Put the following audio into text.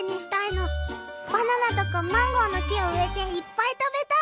バナナとかマンゴーの木を植えていっぱい食べたい！